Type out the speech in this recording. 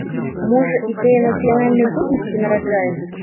Можа, ідэя нацыянальнай годнасці нараджаецца?